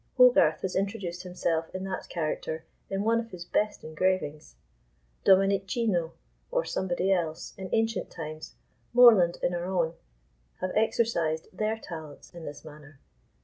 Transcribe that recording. Hogarth has introduced himself in that character in one of his best engravings; Domenichino, or somebody else, in ancient times, Morland in our own, have exercised their talents in this manner.